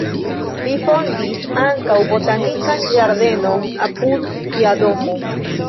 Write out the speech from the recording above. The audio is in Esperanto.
Li fondis ankaŭ botanikan ĝardenon apud sia domo.